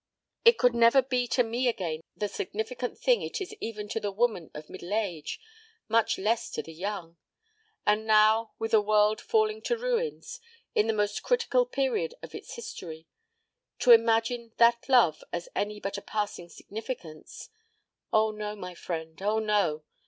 "It could never be to me again the significant thing it is even to the woman of middle age, much less to the young. And now with a world falling to ruins in the most critical period of its history to imagine that love has any but a passing significance Oh, no, my friend. Oh, no!